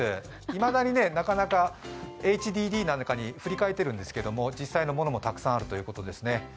いまだになかなかＨＤＤなんかに切り替えていると言うことですけど実際のものもたくさんあるということですね。